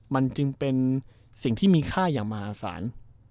มันจึงเป็นสิ่งที่มีค่าอย่างมหาศาล